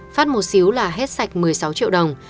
phát một xíu là hết sạch một mươi sáu triệu đồng